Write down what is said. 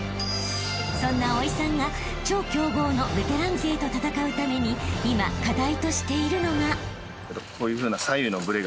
［そんな蒼さんが超強豪のベテラン勢と戦うために今課題としているのが］